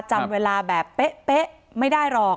จำเวลาแบบเป๊ะไม่ได้หรอก